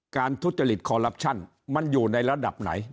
ทุจริตคอลลับชั่นมันอยู่ในระดับไหน